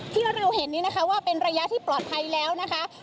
ที่เราเห็นนี้นะคะว่าเป็นระยะที่ปลอดภัยแล้วนะคะ